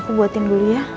aku buatin dulu ya